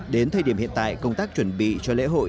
đến thời điểm hiện tại công tác chuẩn bị cho lễ hội